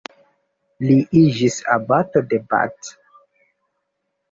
Li iĝis abato de Bath.